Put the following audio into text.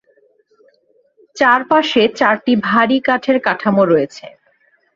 চার পাশে চারটি ভারী কাঠের কাঠামো রয়েছে।